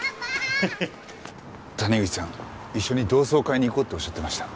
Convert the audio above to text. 谷口さん一緒に同窓会に行こうっておっしゃってました。